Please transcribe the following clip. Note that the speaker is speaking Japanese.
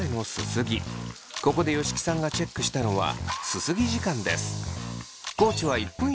ここで吉木さんがチェックしたのはすすぎ時間です。